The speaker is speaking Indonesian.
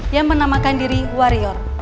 yang menamakan diri warrior